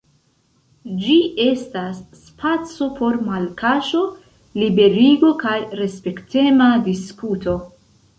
Ĝi estas spaco por malkaŝo, liberigo kaj respektema diskuto.